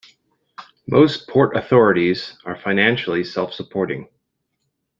Most port authorities are financially self-supporting.